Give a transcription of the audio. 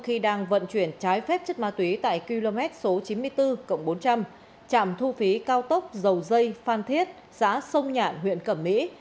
khi đang vận chuyển trái phép chất ma túy tại km số chín mươi bốn bốn trăm linh trạm thu phí cao tốc dầu dây phan thiết xã sông nhạn huyện cẩm mỹ